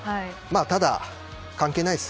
ただ、関係ないです。